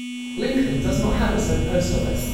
Lincoln does not have its own post office.